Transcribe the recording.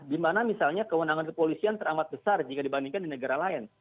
dimana misalnya kewenangan kepolisian teramat besar jika dibandingkan di negara lain